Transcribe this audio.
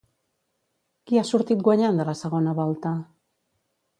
Qui ha sortit guanyant de la segona volta?